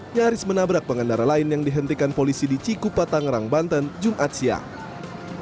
nyaris menabrak pengendara lain yang dihentikan polisi di cikupatang rangbanten jumat siang